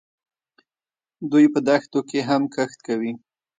دوی په دښتو کې هم کښت کوي.